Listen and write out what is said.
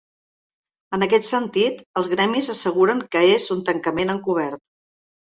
En aquest sentit, els gremis asseguren que és “un tancament encobert”.